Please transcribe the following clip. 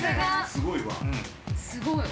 すごいわ。